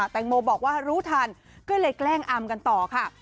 แตงโมบอกว่ารู้ทันก็เลยแกล้งอำกันต่อค่ะ